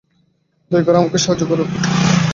দয়া করে আমাকে সাহায্য করো।